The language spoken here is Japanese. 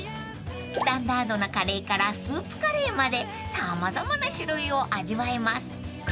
［スタンダードなカレーからスープカレーまで様々な種類を味わえます］